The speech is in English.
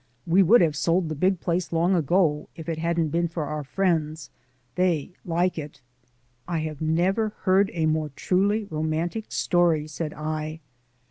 We would have sold the big house long ago if it hadn't been for our friends. They like it." "I have never heard a more truly romantic story," said I.